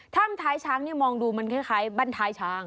ถ้ำท้ายช้างนี่มองดูมันคล้ายบ้านท้ายช้าง